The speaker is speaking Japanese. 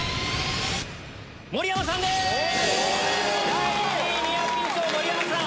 第１位ニアピン賞盛山さん